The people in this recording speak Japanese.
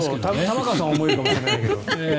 玉川さんは思えるかもしれないけど。